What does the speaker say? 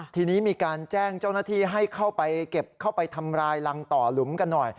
ทีนี้มีการแจ้งเจ้าหน้าที่ให้เข้าไปเก็บเข้าไปทำลายรังต่อหลุมกันหน่อย